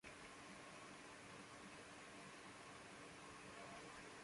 Y que el dinero no hace la felicidad: sí la hace"".